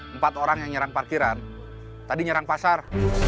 empat orang yang nyerang parkiran tadi nyerang pasar